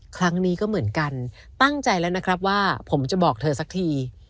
ครั้งนี้ก็เหมือนกันตั้งใจแล้วนะครับว่าผมจะบอกเธอสักที